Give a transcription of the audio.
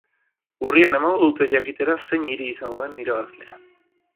Urrian emango dute jakitera zein hiri izango den irabazlea.